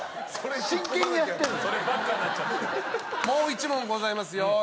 もう１問ございますよ。